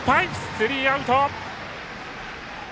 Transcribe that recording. スリーアウト。